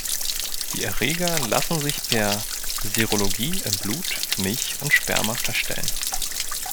Die Erreger lassen sich per Serologie in Blut, Milch und Sperma feststellen.